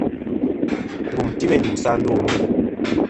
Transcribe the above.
Ngùm ti meyn ndu sɨ a ndô lum.